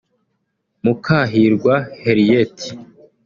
Mukahirwa Henriette